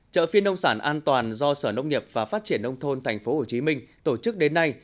chợ phiên nông sản an toàn do sở nông nghiệp và phát triển nông thôn tp hcm tổ chức đến nay